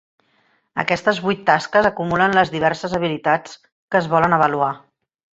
Aquestes vuit tasques acumulen les diverses habilitats que es volen avaluar.